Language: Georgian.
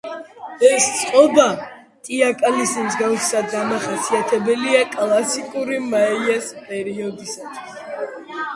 ეს წყობა, ტიკალის მსგავსად, დამახასიათებელია კლასიკური მაიას პერიოდისათვის.